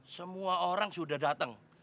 semua orang sudah datang